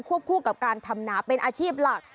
คู่กับการทำนาเป็นอาชีพหลัก